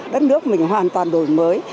đất nước mình hoàn toàn đổi mới